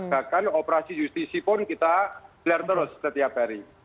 bahkan operasi justisi pun kita gelar terus setiap hari